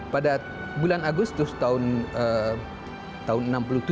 pada bulan agustus tahun seribu sembilan ratus enam puluh tujuh